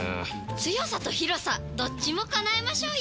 強さと広さどっちも叶えましょうよ！